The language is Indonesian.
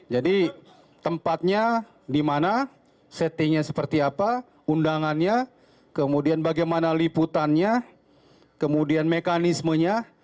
jadi tempatnya di mana settingnya seperti apa undangannya kemudian bagaimana liputannya kemudian mekanismenya